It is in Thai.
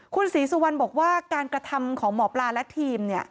คุณศรีสุวรรณบอกว่าการกระทำของหมอปลาและทีม